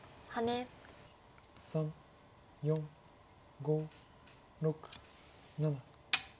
３４５６７。